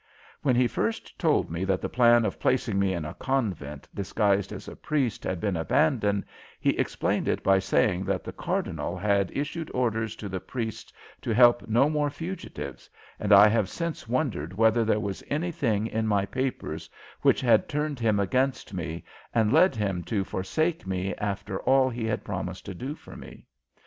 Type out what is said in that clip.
When he first told me that the plan of placing me in a convent disguised as a priest had been abandoned he explained it by saying that the Cardinal had issued orders to the priests to help no more fugitives, and I have since wondered whether there was anything in my papers which had turned him against me and led him to forsake me after all he had promised to do for me.